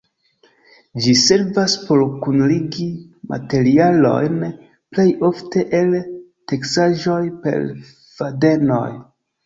Ĝi servas por kunligi materialojn plej ofte el teksaĵoj per fadenoj.